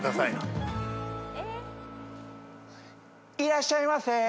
いらっしゃいませ。